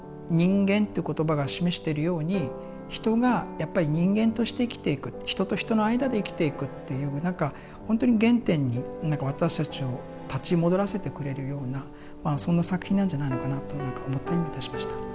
「人間」という言葉が示してるように人がやっぱり人間として生きていく人と人の間で生きていくっていう何かほんとに原点に私たちを立ち戻らせてくれるようなそんな作品なんじゃないのかなと何か思ったりもいたしました。